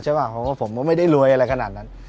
เพราะว่าผมไม่ได้รวยอะไรขนาดนั้น